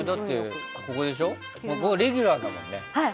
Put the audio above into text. レギュラーだもんね。